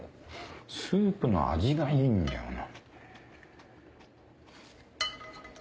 スープの味がいいんだよな。